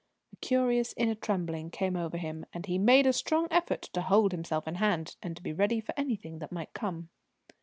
A curious inner trembling came over him, and he made a strong effort to hold himself in hand and to be ready for anything that might come.